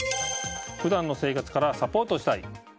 普段の生活からサポートしたい。